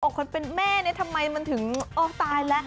ออกคนเป็นแม่ทำไมมันถึงอ้อตายแล้ว